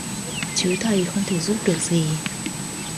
Chứ thầy không thể giúp được gì